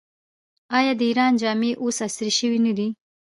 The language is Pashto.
آیا د ایران جامې اوس عصري شوې نه دي؟